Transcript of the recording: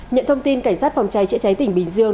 nhận thông tin cảnh sát phòng cháy chữa cháy tỉnh bình dương